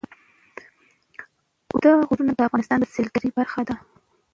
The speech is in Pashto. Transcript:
اوږده غرونه د افغانستان د سیلګرۍ برخه ده.